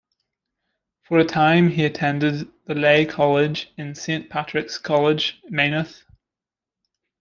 For a time he attended the lay college in Saint Patrick's College, Maynooth.